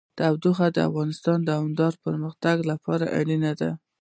تودوخه د افغانستان د دوامداره پرمختګ لپاره اړین دي.